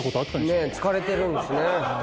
疲れてるんですね。